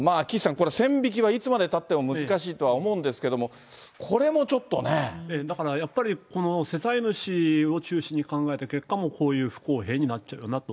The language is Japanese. これ、線引きはいつまでたっても難しいとは思うんですけれども、これもだからやっぱり、この世帯主を中心に考えた結果、こういう不公平になっちゃうよなと。